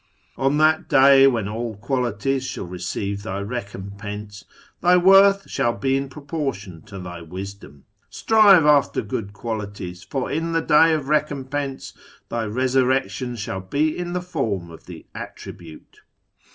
" On that day when all qualities shall receive their recomj)ense Thy worth shall be in proportion to thy Avisdom. Strive after good qualities, for in the Day of Recompense Thy resurrection shall be in the form of the attribute."